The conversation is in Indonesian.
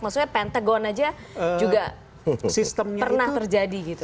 maksudnya pentegon aja juga pernah terjadi gitu